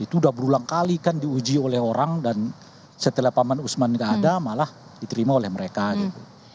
itu udah berulang kali kan diuji oleh orang dan setelah paman usman gak ada malah diterima oleh mereka gitu